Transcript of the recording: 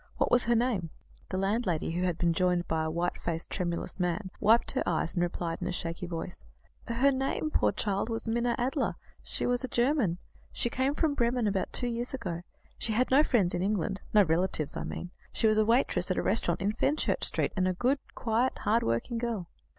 What was her name?" The landlady, who had been joined by a white faced, tremulous man, wiped her eyes, and replied in a shaky voice: "Her name, poor child, was Minna Adler. She was a German. She came from Bremen about two years ago. She had no friends in England no relatives, I mean. She was a waitress at a restaurant in Fenchurch Street, and a good, quiet, hard working girl."